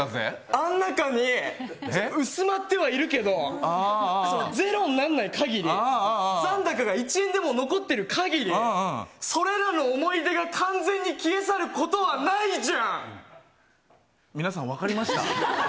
あん中に、薄まってはいるけど、０にならないかぎり、残高が１円でも残っているかぎり、それらの思い出が完全に消え去る皆さん、分かりました？